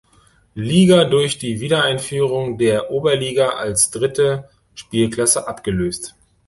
Liga durch die Wiedereinführung der Oberliga als dritte Spielklasse abgelöst.